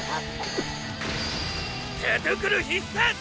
田所必殺